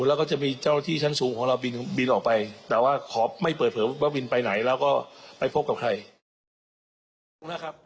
แล้วก็จะมีเจ้าหน้าที่ชั้นสูงของเราบินบินออกไปแต่ว่าขอไม่เปิดเผยว่าบินไปไหนแล้วก็ไปพบกับใครนะครับ